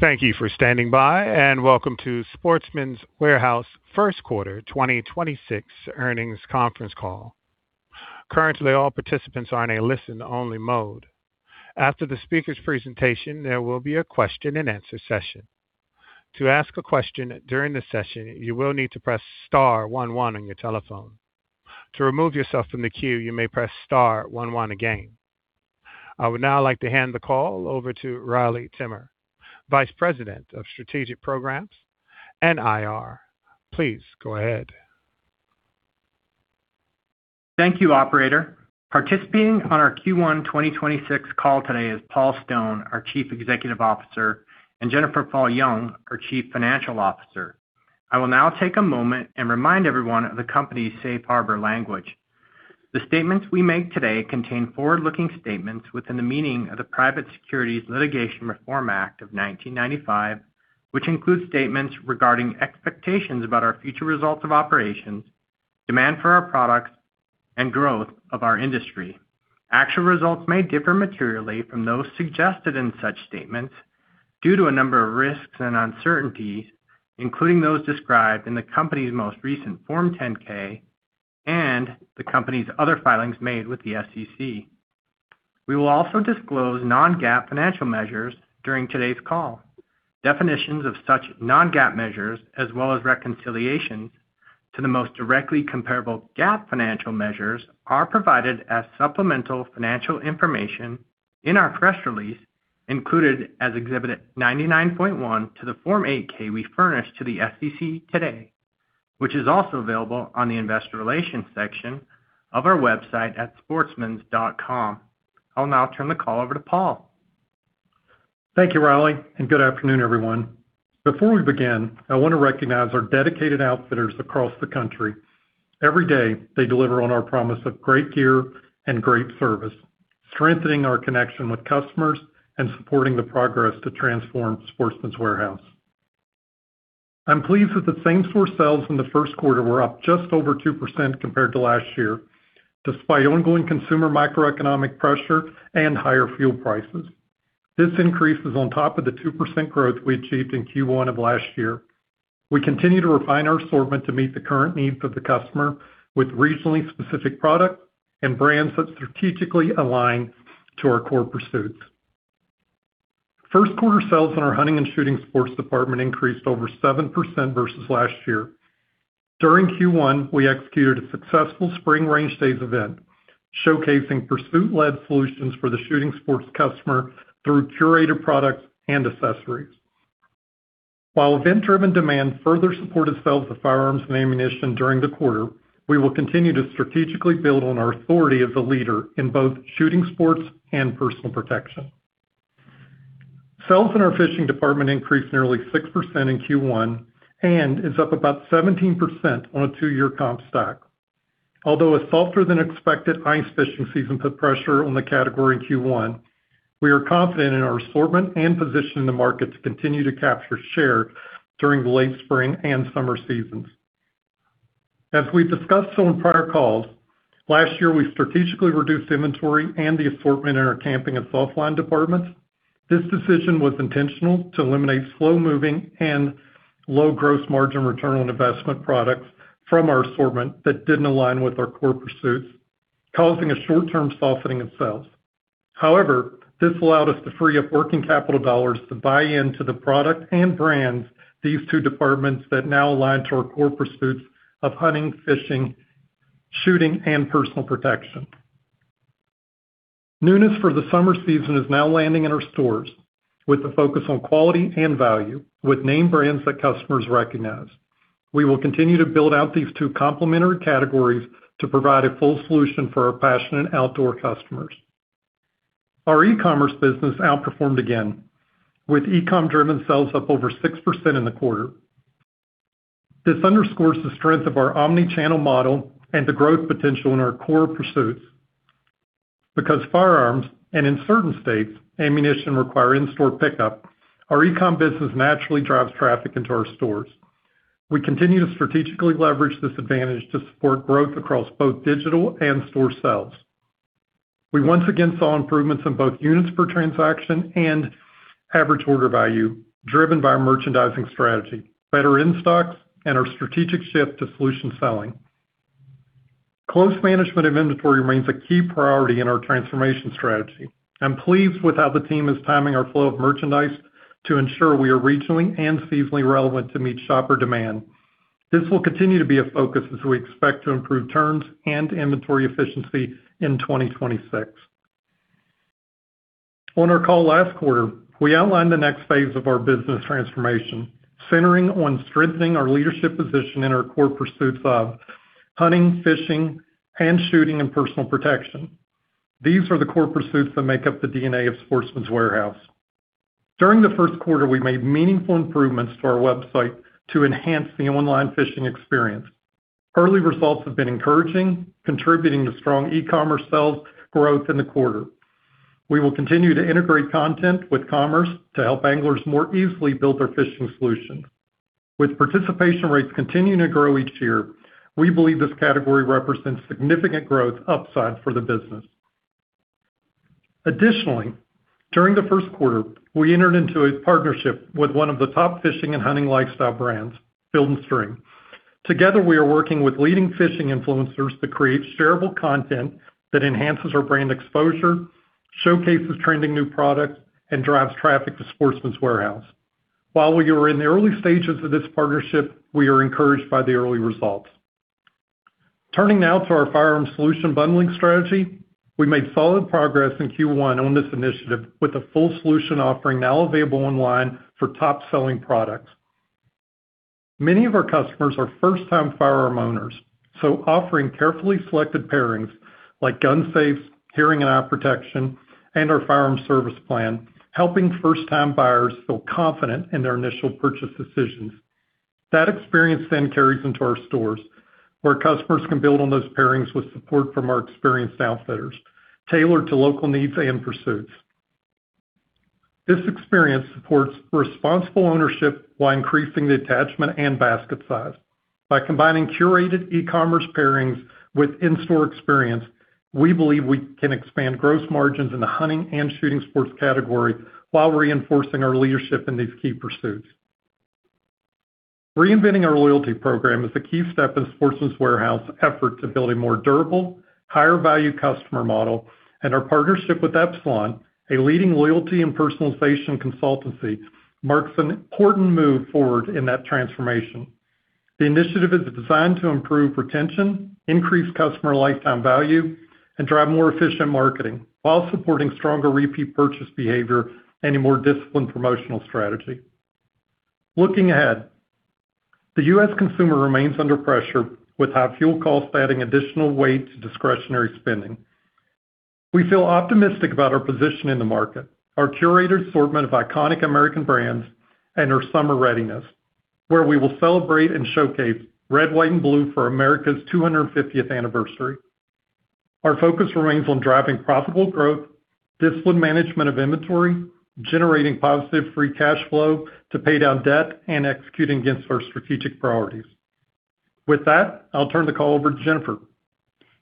Thank you for standing by, and welcome to Sportsman's Warehouse First Quarter 2026 Earnings Conference Call. Currently, all participants are in a listen-only mode. After the speaker's presentation, there will be a question and answer session. To ask a question during the session, you will need to press star one one on your telephone. To remove yourself from the queue, you may press star one one again. I would now like to hand the call over to Riley Timmer, Vice President of Strategic Programs and IR. Please go ahead. Thank you, operator. Participating on our Q1 2026 call today is Paul Stone, our Chief Executive Officer, and Jennifer Fall Jung, our Chief Financial Officer. I will now take a moment and remind everyone of the company's safe harbor language. The statements we make today contain forward-looking statements within the meaning of the Private Securities Litigation Reform Act of 1995, which includes statements regarding expectations about our future results of operations, demand for our products, and growth of our industry. Actual results may differ materially from those suggested in such statements due to a number of risks and uncertainties, including those described in the company's most recent Form 10-K and the company's other filings made with the SEC. We will also disclose non-GAAP financial measures during today's call. Definitions of such non-GAAP measures, as well as reconciliations to the most directly comparable GAAP financial measures, are provided as supplemental financial information in our press release, included as Exhibit 99.1 to the Form 8-K we furnished to the SEC today, which is also available on the investor relations section of our website at sportsmans.com. I'll now turn the call over to Paul. Thank you, Riley, and good afternoon, everyone. Before we begin, I want to recognize our dedicated outfitters across the country. Every day, they deliver on our promise of great gear and great service, strengthening our connection with customers and supporting the progress to transform Sportsman's Warehouse. I'm pleased that the same-store sales in the first quarter were up just over 2% compared to last year, despite ongoing consumer macroeconomic pressure and higher fuel prices. This increase is on top of the 2% growth we achieved in Q1 of last year. We continue to refine our assortment to meet the current needs of the customer with regionally specific product and brands that strategically align to our core pursuits. First quarter sales in our hunting and shooting sports department increased over 7% versus last year. During Q1, we executed a successful spring Range Days event, showcasing pursuit-led solutions for the shooting sports customer through curated products and accessories. While event-driven demand further supported sales of firearms and ammunition during the quarter, we will continue to strategically build on our authority as a leader in both shooting sports and personal protection. Sales in our fishing department increased nearly 6% in Q1 and is up about 17% on a two-year comp stack. Although a softer-than-expected ice fishing season put pressure on the category in Q1, we are confident in our assortment and position in the market to continue to capture share during the late spring and summer seasons. As we've discussed on prior calls, last year, we strategically reduced inventory and the assortment in our camping and soft line departments. This decision was intentional to eliminate slow-moving and low gross margin return on investment products from our assortment that didn't align with our core pursuits, causing a short-term softening of sales. However, this allowed us to free up working capital dollars to buy into the product and brands these two departments that now align to our core pursuits of hunting, fishing, shooting, and personal protection. Newness for the summer season is now landing in our stores with a focus on quality and value with name brands that customers recognize. We will continue to build out these two complementary categories to provide a full solution for our passionate outdoor customers. Our e-commerce business outperformed again, with e-com driven sales up over 6% in the quarter. This underscores the strength of our omni-channel model and the growth potential in our core pursuits. Because firearms, and in certain states, ammunition require in-store pickup, our e-com business naturally drives traffic into our stores. We continue to strategically leverage this advantage to support growth across both digital and store sales. We once again saw improvements in both units per transaction and average order value driven by our merchandising strategy, better in-stocks, and our strategic shift to solution selling. Close management of inventory remains a key priority in our transformation strategy. I'm pleased with how the team is timing our flow of merchandise to ensure we are regionally and seasonally relevant to meet shopper demand. This will continue to be a focus as we expect to improve turns and inventory efficiency in 2026. On our call last quarter, we outlined the next phase of our business transformation, centering on strengthening our leadership position in our core pursuits of hunting, fishing, and shooting, and personal protection. These are the core pursuits that make up the DNA of Sportsman's Warehouse. During the first quarter, we made meaningful improvements to our website to enhance the online fishing experience. Early results have been encouraging, contributing to strong e-commerce sales growth in the quarter. We will continue to integrate content with commerce to help anglers more easily build their fishing solution. With participation rates continuing to grow each year, we believe this category represents significant growth upside for the business. Additionally, during the first quarter, we entered into a partnership with one of the top fishing and hunting lifestyle brands, Field & Stream. Together, we are working with leading fishing influencers to create shareable content that enhances our brand exposure, showcases trending new products, and drives traffic to Sportsman's Warehouse. While we are in the early stages of this partnership, we are encouraged by the early results. Turning now to our firearm solution bundling strategy. We made solid progress in Q1 on this initiative with a full solution offering now available online for top-selling products. Many of our customers are first-time firearm owners, so offering carefully selected pairings like gun safes, hearing and eye protection, and our firearm service plan, helping first-time buyers feel confident in their initial purchase decisions. That experience then carries into our stores, where customers can build on those pairings with support from our experienced outfitters, tailored to local needs and pursuits. This experience supports responsible ownership while increasing the attachment and basket size. By combining curated e-commerce pairings with in-store experience, we believe we can expand gross margins in the hunting and shooting sports category while reinforcing our leadership in these key pursuits. Reinventing our loyalty program is a key step in Sportsman's Warehouse effort to build a more durable, higher-value customer model, and our partnership with Epsilon, a leading loyalty and personalization consultancy, marks an important move forward in that transformation. The initiative is designed to improve retention, increase customer lifetime value, and drive more efficient marketing while supporting stronger repeat purchase behavior and a more disciplined promotional strategy. Looking ahead, the U.S. consumer remains under pressure, with high fuel costs adding additional weight to discretionary spending. We feel optimistic about our position in the market, our curated assortment of iconic American brands, and our summer readiness, where we will celebrate and showcase red, white, and blue for America's 250th anniversary. Our focus remains on driving profitable growth, disciplined management of inventory, generating positive free cash flow to pay down debt, and executing against our strategic priorities. With that, I'll turn the call over to Jennifer.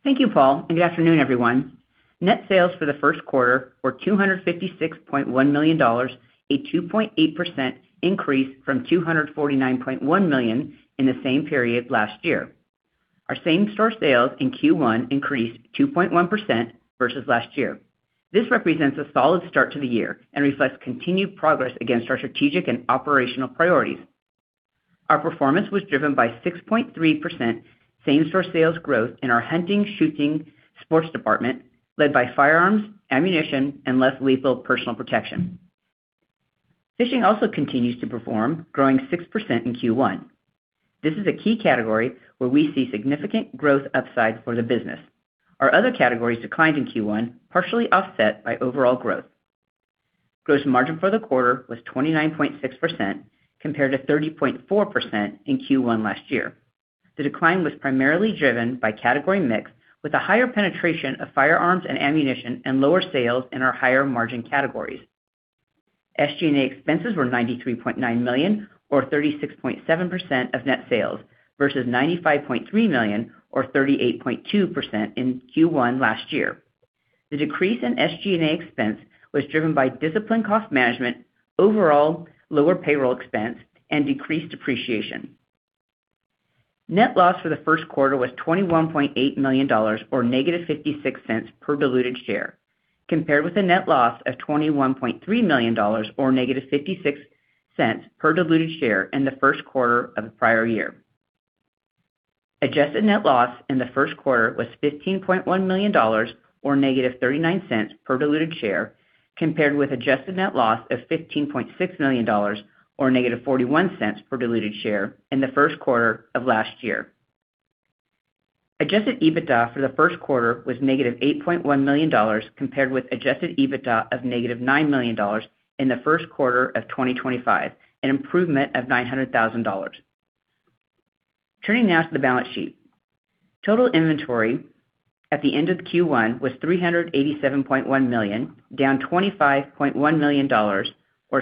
Thank you, Paul. Good afternoon, everyone. Net sales for the first quarter were $256.1 million, a 2.8% increase from $249.1 million in the same period last year. Our same-store sales in Q1 increased 2.1% versus last year. This represents a solid start to the year and reflects continued progress against our strategic and operational priorities. Our performance was driven by 6.3% same-store sales growth in our hunting, shooting sports department, led by firearms, ammunition, and less lethal personal protection. Fishing also continues to perform, growing 6% in Q1. This is a key category where we see significant growth upside for the business. Our other categories declined in Q1, partially offset by overall growth. Gross margin for the quarter was 29.6%, compared to 30.4% in Q1 last year. The decline was primarily driven by category mix, with a higher penetration of firearms and ammunition and lower sales in our higher-margin categories. SG&A expenses were $93.9 million, or 36.7% of net sales, versus $95.3 million, or 38.2%, in Q1 last year. The decrease in SG&A expense was driven by disciplined cost management, overall lower payroll expense, and decreased depreciation. Net loss for the first quarter was $21.8 million, or $-0.56 per diluted share, compared with a net loss of $21.3 million, or $-0.56 per diluted share in the first quarter of the prior year. Adjusted net loss in the first quarter was $15.1 million, or $-0.39 per diluted share, compared with adjusted net loss of $15.6 million, or $-0.41 per diluted share in the first quarter of last year. Adjusted EBITDA for the first quarter was $-8.1 million, compared with adjusted EBITDA of $-9 million in the first quarter of 2025, an improvement of $900,000. Turning now to the balance sheet. Total inventory at the end of Q1 was $387.1 million, down $25.1 million, or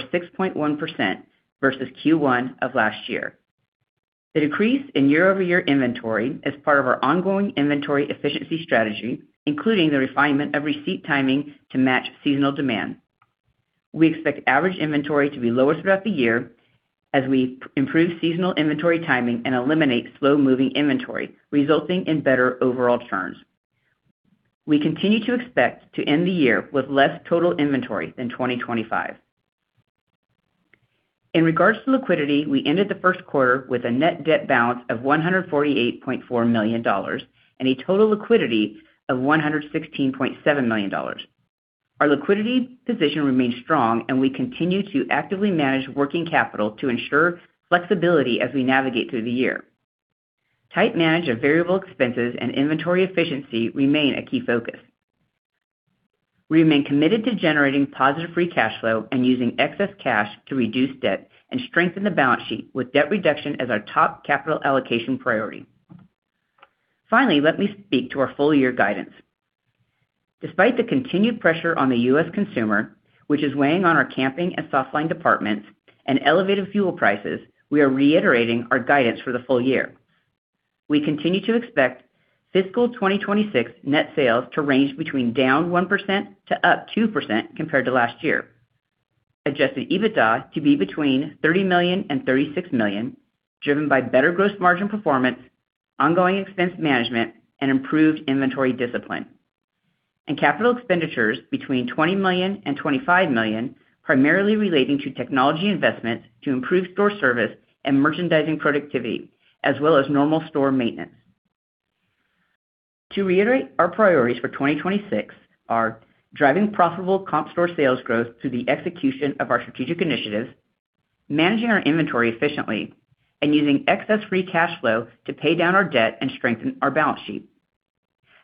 6.1%, versus Q1 of last year. The decrease in year-over-year inventory is part of our ongoing inventory efficiency strategy, including the refinement of receipt timing to match seasonal demand. We expect average inventory to be lower throughout the year as we improve seasonal inventory timing and eliminate slow-moving inventory, resulting in better overall turns. We continue to expect to end the year with less total inventory than 2025. In regards to liquidity, we ended the first quarter with a net debt balance of $148.4 million and a total liquidity of $116.7 million. Our liquidity position remains strong, and we continue to actively manage working capital to ensure flexibility as we navigate through the year. Tight management of variable expenses and inventory efficiency remain a key focus. We remain committed to generating positive free cash flow and using excess cash to reduce debt and strengthen the balance sheet with debt reduction as our top capital allocation priority. Finally, let me speak to our full year guidance. Despite the continued pressure on the U.S. consumer, which is weighing on our camping and soft line departments and elevated fuel prices, we are reiterating our guidance for the full year. We continue to expect fiscal 2026 net sales to range between down 1% to up 2% compared to last year. Adjusted EBITDA to be between $30 million and $36 million, driven by better gross margin performance, ongoing expense management, and improved inventory discipline. Capital expenditures between $20 million and $25 million, primarily relating to technology investments to improve store service and merchandising productivity, as well as normal store maintenance. To reiterate, our priorities for 2026 are driving profitable comp store sales growth through the execution of our strategic initiatives, managing our inventory efficiently, and using excess free cash flow to pay down our debt and strengthen our balance sheet.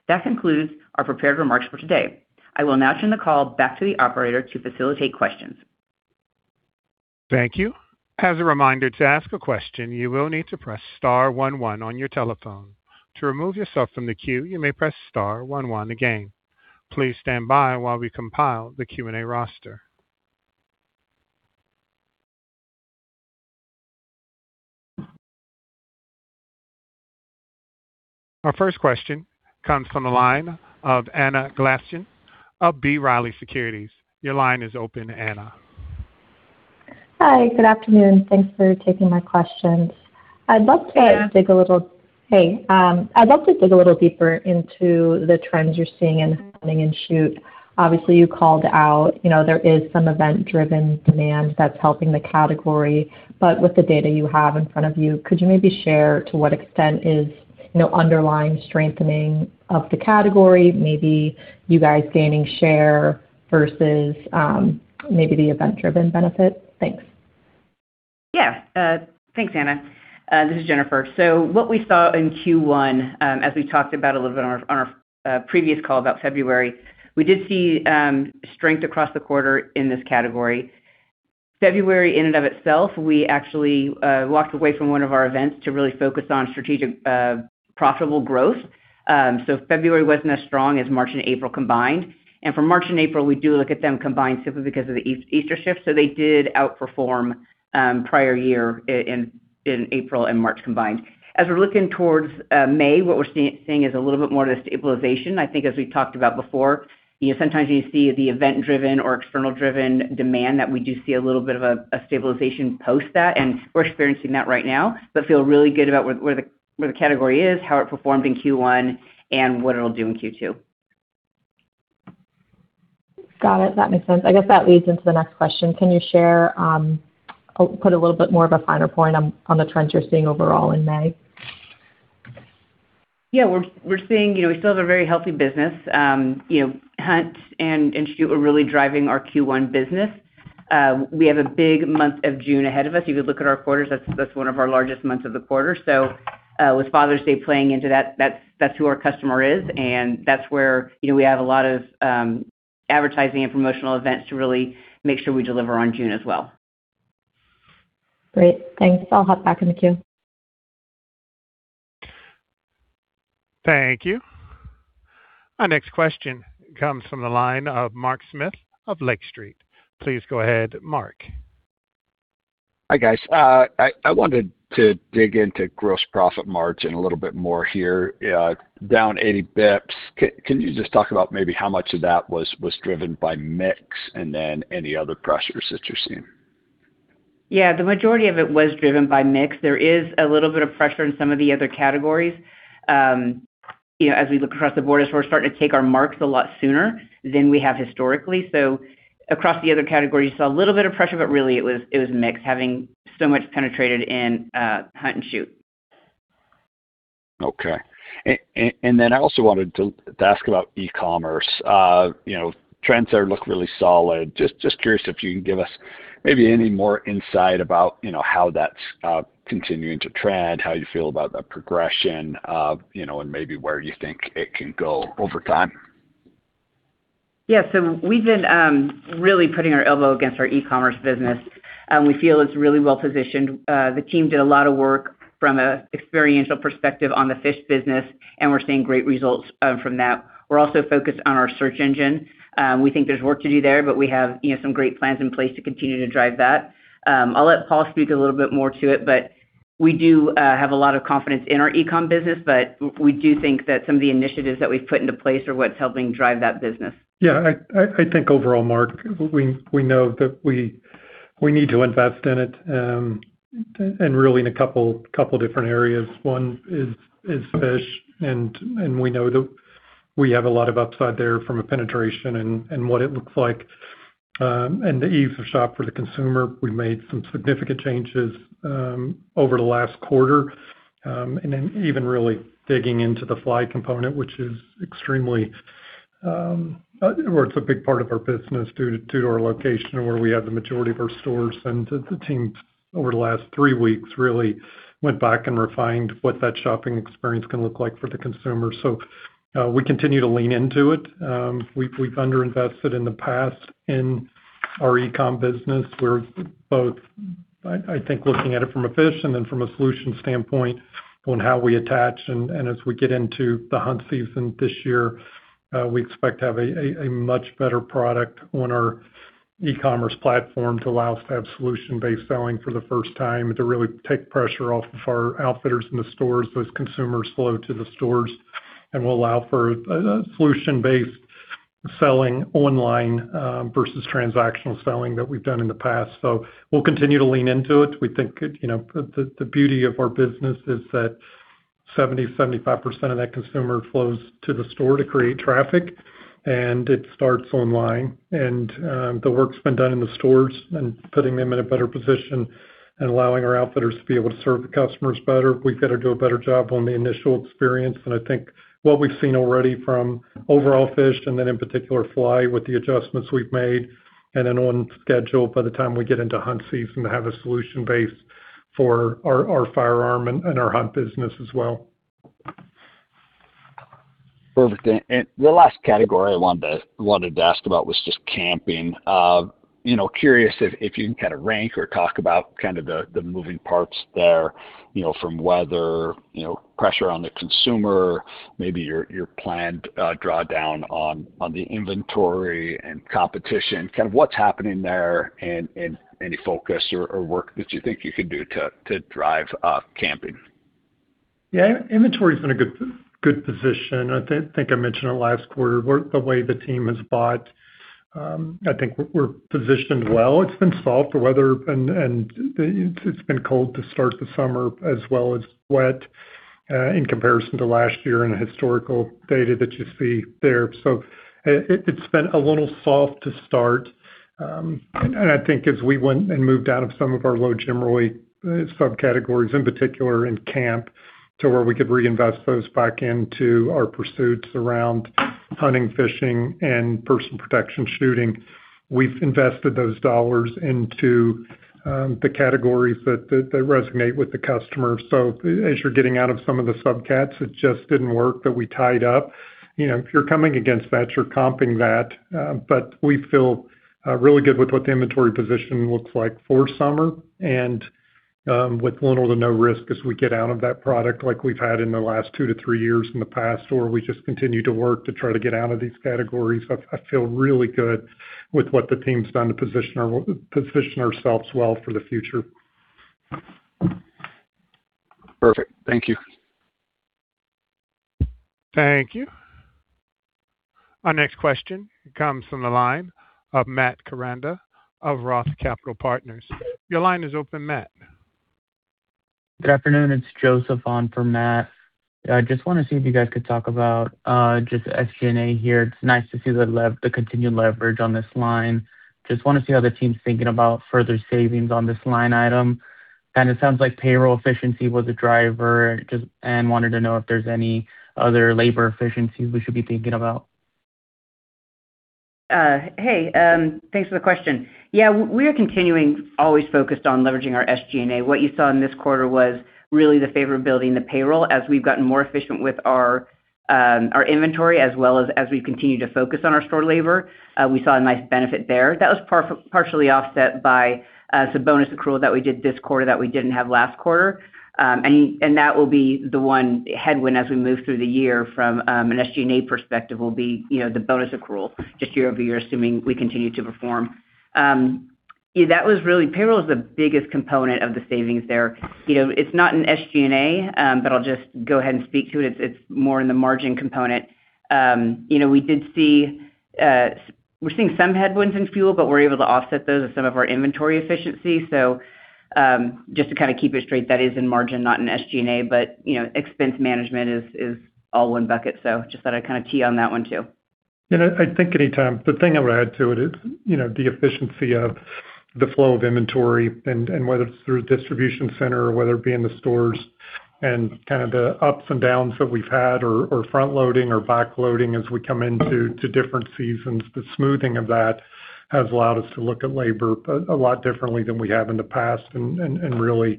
That concludes our prepared remarks for today. I will now turn the call back to the operator to facilitate questions. Thank you. As a reminder, to ask a question, you will need to press star one one on your telephone. To remove yourself from the queue, you may press star one one again. Please stand by while we compile the Q&A roster. Our first question comes from the line of Anna Glaessgen of B. Riley Securities. Your line is open, Anna. Hi. Good afternoon. Thanks for taking my questions. Yeah. Hey. I'd love to dig a little deeper into the trends you're seeing in Hunt and Shoot. Obviously, you called out, there is some event driven demand that's helping the category. With the data you have in front of you, could you maybe share to what extent is underlying strengthening of the category, maybe you guys gaining share versus maybe the event driven benefit? Thanks. Thanks, Anna. This is Jennifer. What we saw in Q1, as we talked about a little bit on our previous call about February, we did see strength across the quarter in this category. February in and of itself, we actually walked away from one of our events to really focus on strategic profitable growth. February wasn't as strong as March and April combined. For March and April, we do look at them combined simply because of the Easter shift. They did outperform prior year in April and March combined. As we are looking towards May, what we are seeing is a little bit more of the stabilization. I think as we talked about before, sometimes you see the event driven or external driven demand that we do see a little bit of a stabilization post that, and we are experiencing that right now. Feel really good about where the category is, how it performed in Q1, and what it'll do in Q2. Got it. That makes sense. I guess that leads into the next question. Can you share, or put a little bit more of a finer point on the trends you're seeing overall in May? Yeah, we're seeing, we still have a very healthy business. Hunt and Shoot are really driving our Q1 business. We have a big month of June ahead of us. You could look at our quarters, that's one of our largest months of the quarter. With Father's Day playing into that's who our customer is, and that's where we have a lot of advertising and promotional events to really make sure we deliver on June as well. Great. Thanks. I'll hop back in the queue. Thank you. Our next question comes from the line of Mark Smith of Lake Street. Please go ahead, Mark. Hi, guys. I wanted to dig into gross profit margin a little bit more here. Down 80 bps. Can you just talk about maybe how much of that was driven by mix, and then any other pressures that you're seeing? Yeah. The majority of it was driven by mix. There is a little bit of pressure in some of the other categories. As we look across the board, as we're starting to take our marks a lot sooner than we have historically. Across the other categories, saw a little bit of pressure, but really it was mix, having so much penetrated in Hunt and Shoot. Okay. I also wanted to ask about e-commerce. Trends there look really solid. Just curious if you can give us maybe any more insight about how that's continuing to trend, how you feel about the progression of, and maybe where you think it can go over time. Yeah. We've been really putting our elbow against our e-commerce business. We feel it's really well positioned. The team did a lot of work from an experiential perspective on the fish business, and we're seeing great results from that. We're also focused on our search engine. We think there's work to do there, but we have some great plans in place to continue to drive that. I'll let Paul speak a little bit more to it, but we do have a lot of confidence in our e-com business, but we do think that some of the initiatives that we've put into place are what's helping drive that business. Yeah, I think overall, Mark, we know that we need to invest in it, and really in a couple different areas. One is fish, and we know that we have a lot of upside there from a penetration and what it looks like. The ease of shop for the consumer. We made some significant changes over the last quarter. Even really digging into the fly component, which is extremely Well, it's a big part of our business due to our location where we have the majority of our stores. The team over the last three weeks really went back and refined what that shopping experience can look like for the consumer. We continue to lean into it. We've under-invested in the past in our e-com business. We're both, I think, looking at it from a fish and then from a solution standpoint on how we attach and as we get into the hunt season this year. We expect to have a much better product on our e-commerce platform to allow us to have solution-based selling for the first time, to really take pressure off of our outfitters in the stores, those consumers flow to the stores, and will allow for solution-based selling online versus transactional selling that we've done in the past. We'll continue to lean into it. We think the beauty of our business is that 70%, 75% of that consumer flows to the store to create traffic, and it starts online. The work's been done in the stores and putting them in a better position and allowing our outfitters to be able to serve the customers better. We've got to do a better job on the initial experience, and I think what we've seen already from overall fish, and then in particular, fly, with the adjustments we've made, and then on schedule by the time we get into hunt season to have a solution base for our firearm and our hunt business as well. Perfect. The last category I wanted to ask about was just camping. Curious if you can kind of rank or talk about kind of the moving parts there, from weather, pressure on the consumer, maybe your planned drawdown on the inventory and competition, kind of what's happening there, and any focus or work that you think you could do to drive up camping. Yeah, inventory's in a good position. I think I mentioned it last quarter. The way the team has bought, I think we're positioned well. It's been soft, the weather, and it's been cold to start the summer, as well as wet, in comparison to last year and the historical data that you see there. It's been a little soft to start. I think as we went and moved out of some of our low GMROI subcategories, in particular in camp, to where we could reinvest those back into our pursuits around hunting, fishing, and personal protection shooting. We've invested those dollars into the categories that resonate with the customer. As you're getting out of some of the subcats, it just didn't work, but we tied up. If you're coming against that, you're comping that. We feel really good with what the inventory position looks like for summer and with little to no risk as we get out of that product like we've had in the last two to three years in the past, or we just continue to work to try to get out of these categories. I feel really good with what the team's done to position ourselves well for the future. Perfect. Thank you. Thank you. Our next question comes from the line of Matt Koranda of Roth Capital Partners. Your line is open, Matt. Good afternoon, it's Joseph on for Matt. I just want to see if you guys could talk about just SG&A here. It's nice to see the continued leverage on this line. Just want to see how the team's thinking about further savings on this line item. It sounds like payroll efficiency was a driver, and wanted to know if there's any other labor efficiencies we should be thinking about. Hey, thanks for the question. Yeah, we are continuing, always focused on leveraging our SG&A. What you saw in this quarter was really the favor of building the payroll. As we've gotten more efficient with our inventory, as well as we've continued to focus on our store labor, we saw a nice benefit there. That was partially offset by some bonus accrual that we did this quarter that we didn't have last quarter. That will be the one headwind as we move through the year from an SG&A perspective will be the bonus accrual just year-over-year, assuming we continue to perform. Payroll is the biggest component of the savings there. It's not in SG&A, but I'll just go ahead and speak to it. It's more in the margin component. We're seeing some headwinds in fuel, but we're able to offset those with some of our inventory efficiency. Just to kind of keep it straight, that is in margin, not in SG&A, but expense management is all one bucket, so just thought I'd kind of key on that one, too. I think the thing I would add to it is the efficiency of the flow of inventory and whether it's through a distribution center or whether it be in the stores and kind of the ups and downs that we've had or front-loading or back-loading as we come into different seasons. The smoothing of that has allowed us to look at labor a lot differently than we have in the past, and really,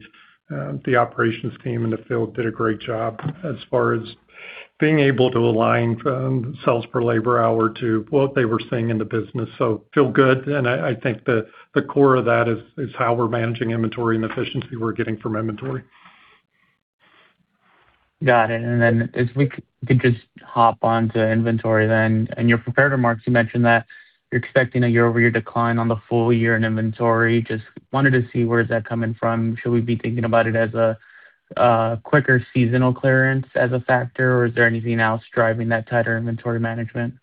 the operations team in the field did a great job as far as being able to align sales per labor hour to what they were seeing in the business. Feel good, and I think the core of that is how we're managing inventory and efficiency we're getting from inventory. Got it. If we could just hop onto inventory. In your prepared remarks, you mentioned that you're expecting a year-over-year decline on the full year in inventory. Just wanted to see, where is that coming from? Should we be thinking about it as a quicker seasonal clearance as a factor, or is there anything else driving that tighter inventory management?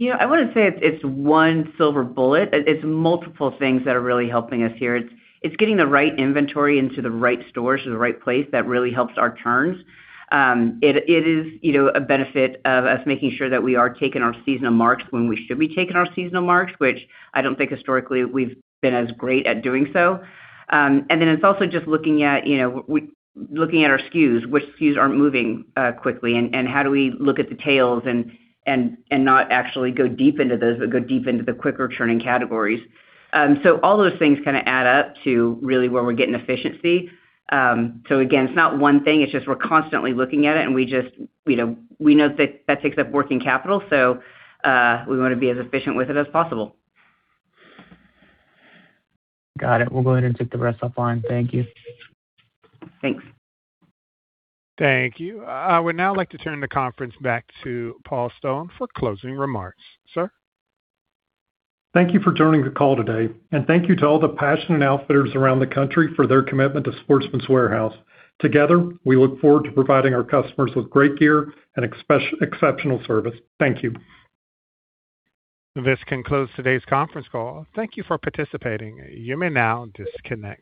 I wouldn't say it's one silver bullet. It's multiple things that are really helping us here. It's getting the right inventory into the right stores or the right place that really helps our turns. It is a benefit of us making sure that we are taking our seasonal marks when we should be taking our seasonal marks, which I don't think historically we've been as great at doing so. It's also just looking at our SKUs, which SKUs aren't moving quickly, and how do we look at the tails and not actually go deep into those, but go deep into the quicker turning categories. All those things kind of add up to really where we're getting efficiency. Again, it's not one thing. It's just we're constantly looking at it, and we know that that takes up working capital, so we want to be as efficient with it as possible. Got it. We'll go ahead and take the rest offline. Thank you. Thanks. Thank you. I would now like to turn the conference back to Paul Stone for closing remarks. Sir? Thank you for joining the call today, and thank you to all the passionate outfitters around the country for their commitment to Sportsman's Warehouse. Together, we look forward to providing our customers with great gear and exceptional service. Thank you. This can close today's conference call. Thank you for participating. You may now disconnect.